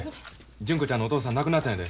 純子ちゃんのお父さん亡くなったんやで。